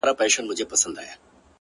لكه گلاب چي سمال ووهي ويده سمه زه!